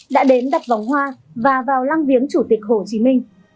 đã đến đặt vòng hoa và vào lăng viếng chủ tịch hồ chí minh